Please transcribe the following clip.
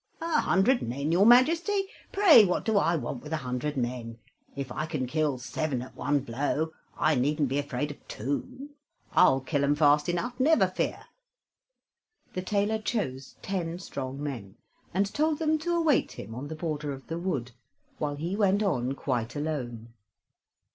"A hundred men, your Majesty! Pray, what do I want with a hundred men? If I can kill seven at one blow, I needn't be afraid of two. I'll kill them fast enough, never fear." The tailor chose ten strong men, and told them to await him on the border of the wood, while he went on quite alone.